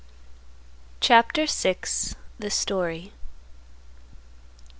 CHAPTER VI. THE STORY.